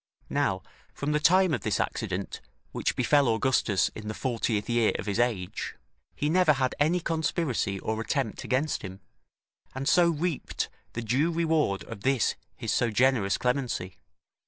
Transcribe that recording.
Now, from the time of this accident which befell Augustus in the fortieth year of his age, he never had any conspiracy or attempt against him, and so reaped the due reward of this his so generous clemency.